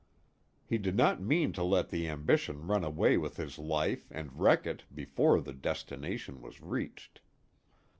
He did not mean to let the ambition run away with his life and wreck it before the destination was reached.